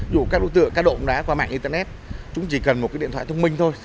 dù các đối tượng cá độ bóng đá qua mạng internet chúng chỉ cần một cái điện thoại thông minh thôi